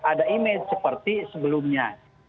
ada image seperti sebelumnya